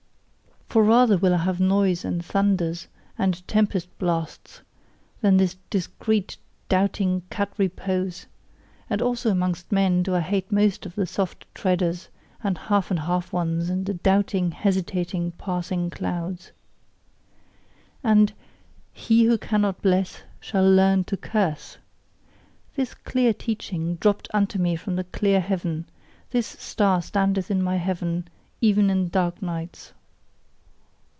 For rather will I have noise and thunders and tempest blasts, than this discreet, doubting cat repose; and also amongst men do I hate most of all the soft treaders, and half and half ones, and the doubting, hesitating, passing clouds. And "he who cannot bless shall LEARN to curse!" this clear teaching dropt unto me from the clear heaven; this star standeth in my heaven even in dark nights.